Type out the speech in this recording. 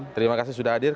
terima kasih sudah hadir